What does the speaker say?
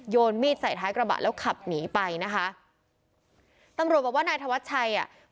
นมีดใส่ท้ายกระบะแล้วขับหนีไปนะคะตำรวจบอกว่านายธวัชชัยอ่ะ